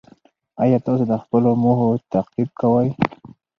ایا تاسو د خپلو موخو تعقیب کوئ؟